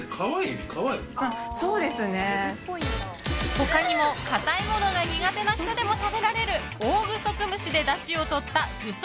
他にも、硬いものが苦手な人でも食べられるオオグソクムシでだしをとったぐそ